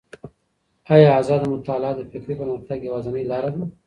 آيا ازاده مطالعه د فکري پرمختګ يوازينۍ لاره ده؟